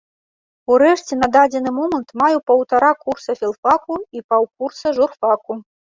Урэшце на дадзены момант маю паўтара курса філфаку і паўкурса журфаку.